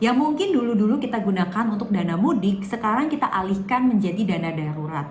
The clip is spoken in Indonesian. yang mungkin dulu dulu kita gunakan untuk dana mudik sekarang kita alihkan menjadi dana darurat